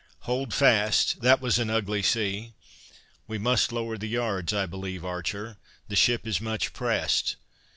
Hold fast! that was an ugly sea; we must lower the yards, I believe, Archer; the ship is much pressed."